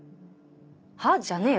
「は？」じゃねえよ